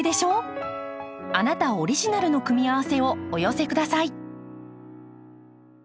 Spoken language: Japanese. あなたオリジナルの組み合わせをお寄せ下さい。